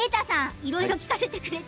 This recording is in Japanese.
いろいろ聞かせてくれて